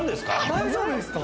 大丈夫ですか？